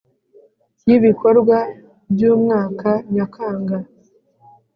Y ibikorwa by umwaka nyakanga